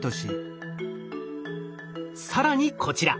更にこちら。